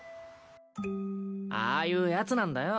ああいうやつなんだよ。